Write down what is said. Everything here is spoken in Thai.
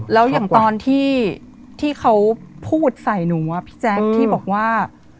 แล้วอย่างตอนที่เขาพูดใส่หนูพี่แจ๊คที่บอกว่า